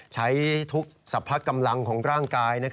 ใช้ทุกสรรพกำลังของร่างกาย